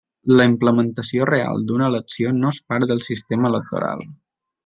La implementació real d'una elecció no és part del sistema electoral.